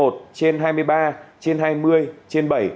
hai nghìn hai mươi một trên hai mươi ba trên hai mươi trên bảy